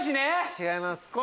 違います。